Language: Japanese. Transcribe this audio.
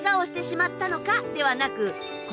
ではなく。